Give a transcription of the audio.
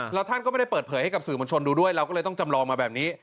แล้วท่านก็ไม่ได้เปิดเผยให้กับสื่อมวลชนดูด้วยเราก็เลยต้องจำลองมาแบบนี้